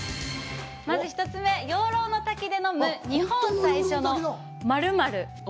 まず１つ目、養老の滝で飲む、日本最初の○○。